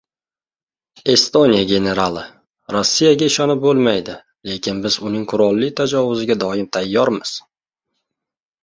Estoniya generali: "Rossiyaga ishonib bo‘lmaydi, lekin biz uning qurolli tajovuziga doim tayyormiz"